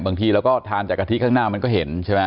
บางทีเราก็ทานจากกะทิข้างหน้ามันก็เห็นใช่ไหม